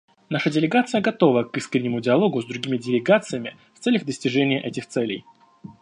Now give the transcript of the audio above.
Наша делегация готова к искреннему диалогу с другими делегациями в целях достижения этих целей.